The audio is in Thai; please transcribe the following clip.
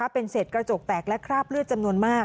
เป็นเศษกระจกแตกและคราบเลือดจำนวนมาก